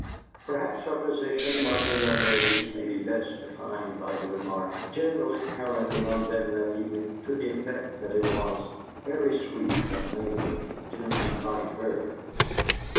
Perhaps her position among the young ladies may be best defined by the remark, generally current among them, that evening, to the effect that it was "very sweet of Mamie to invite her."